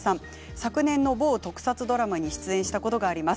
昨年の某特撮ドラマに出演したことがあります。